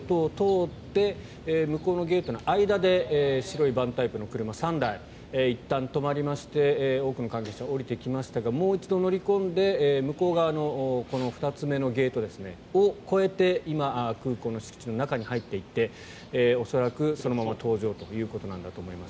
向こうのゲートの間で白いバンタイプの車３台がいったん止まりまして多くの関係者が降りてきましたがもう一度乗り込んで向こう側の２つ目のゲートを越えて今、空港の敷地の中に入っていって恐らく、そのまま搭乗ということだと思います。